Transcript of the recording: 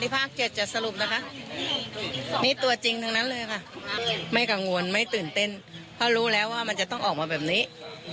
เพราะรู้แล้วว่ามันจะต้องออกมาแบบนี้